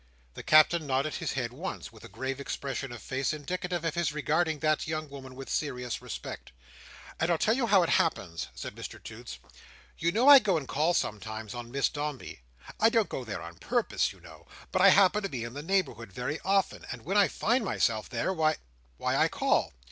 The Captain nodded his head once, with a grave expression of face indicative of his regarding that young woman with serious respect. "And I'll tell you how it happens," said Mr Toots. "You know, I go and call sometimes, on Miss Dombey. I don't go there on purpose, you know, but I happen to be in the neighbourhood very often; and when I find myself there, why—why I call."